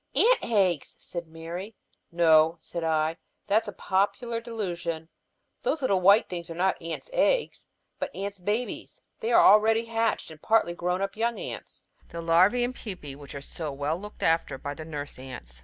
"Ants' eggs," said Mary. "No," said I. "That's a popular delusion. These little white things are not ants' eggs, but ants' babies. They are the already hatched and partly grown young ants, the larvæ and pupæ, which are so well looked after by the nurse ants.